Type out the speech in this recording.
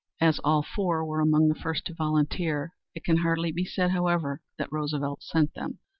As all four were among the first to volunteer it can hardly be said, however, that Roosevelt sent them.